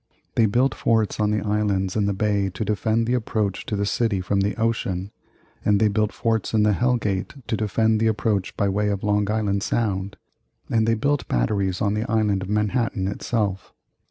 They built forts on the islands in the bay to defend the approach to the city from the ocean, and they built forts in the Hell Gate to defend the approach by way of Long Island Sound, and they built batteries on the Island of Manhattan itself.